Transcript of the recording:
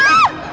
wah gue bingung